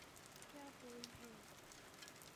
کیا بول ہیں۔